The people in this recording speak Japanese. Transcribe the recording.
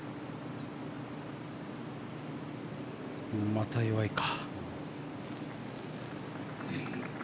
また弱いか。